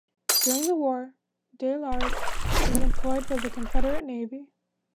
During the war, De Large was employed by the Confederate Navy.